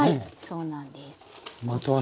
そうなんです。